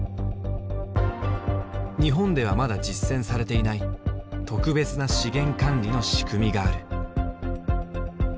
日本ではまだ実践されていない特別な資源管理の仕組みがある。